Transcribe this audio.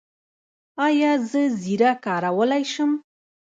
ایا زه زیره کارولی شم؟